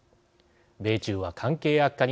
米中は関係悪化に